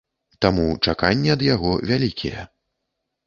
Таму чаканні ад яго вялікія.